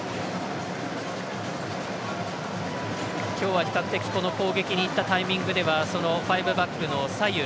今日は比較的、攻撃にいったタイミングではファイブバックの左右